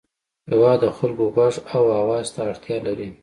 هېواد د خلکو د غوږ او اواز ته اړتیا لري.